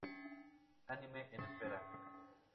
Anime en espera".